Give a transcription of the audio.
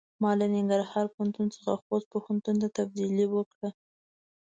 ما له ننګرهار پوهنتون څخه خوست پوهنتون ته تبدیلي وکړۀ.